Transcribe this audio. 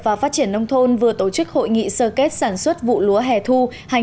và phát triển nông thôn vừa tổ chức hội nghị sơ kết sản xuất vụ lúa hẻ thu hai nghìn một mươi chín